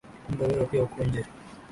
Kumbe wewe pia uko nje